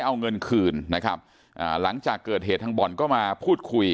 เอาเงินคืนนะครับอ่าหลังจากเกิดเหตุทางบ่อนก็มาพูดคุย